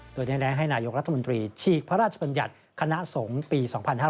โดยได้แนะให้นายกรัฐมนตรีฉีกพระราชบัญญัติคณะสงฆ์ปี๒๕๕๙